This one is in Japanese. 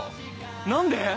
何で？